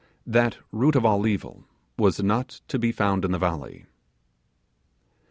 'That root of all evil' was not to be found in the valley.